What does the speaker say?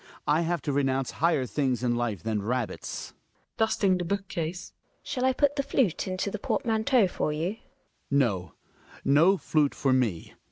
I have to renounce higher things in life than rabbits. Gina {dusting the book case). Shall I put the flute into the portmanteau for you ? Hjalmar. ^ No. No flute for me.